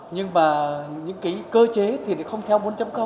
nhưng mà những cơ chế thì không theo bốn